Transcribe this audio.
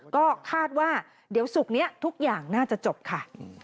ก็คาดว่าเดี๋ยวศุกร์นี้ทุกอย่างน่าจะจบค่ะ